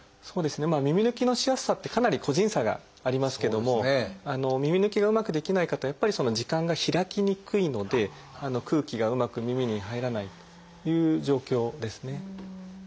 そうですね耳抜きのしやすさってかなり個人差がありますけども耳抜きがうまくできない方はやっぱり耳管が開きにくいので空気がうまく耳に入らないという状況ですね。